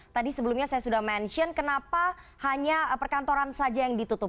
tadi sebelumnya saya sudah mention kenapa hanya perkantoran saja yang ditutup